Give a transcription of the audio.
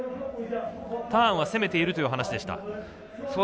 ターンは攻めているという話でした。